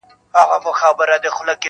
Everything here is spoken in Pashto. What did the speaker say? د هغوی به پر اغزیو وي خوبونه-